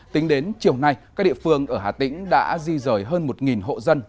tính đến chiều nay các địa phương ở hà tĩnh đã di rời hơn một hộ dân